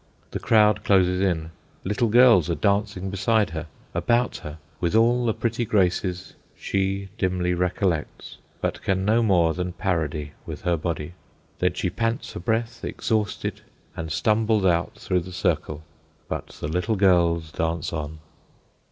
The crowd closes in. Little girls are dancing beside her, about her, with all the pretty graces she dimly recollects, but can no more than parody with her body. Then she pants for breath, exhausted, and stumbles out through the circle. But the little girls dance on.